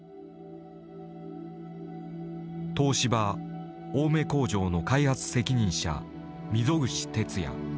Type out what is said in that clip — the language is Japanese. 東芝青梅工場の開発責任者溝口哲也。